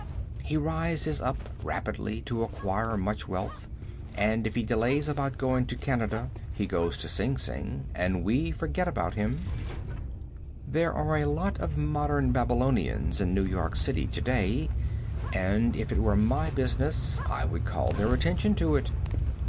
He rises up rapidly to acquire much wealth, and if he delays about going to Canada he goes to Sing Sing, and we forget about him. There are lots of modern Babylonians in New York City to day, and if it were my business I would call their attention to it.